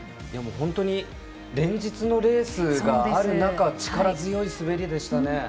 本当に連日のレースがある中力強い滑りでしたね。